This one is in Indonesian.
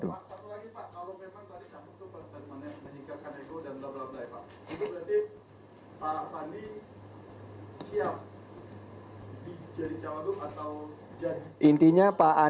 dan jakarta yang lebih baru